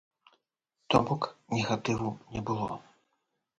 То-бок, негатыву не было.